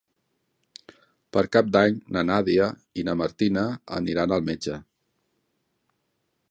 Per Cap d'Any na Nàdia i na Martina aniran al metge.